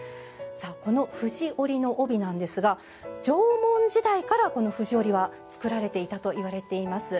この藤織りの帯なんですが縄文時代から、この藤織りは作られていたといわれています。